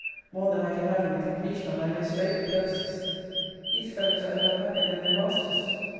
More than I can have in the completion of my most favourite purposes! These fellows are ever happier than their masters.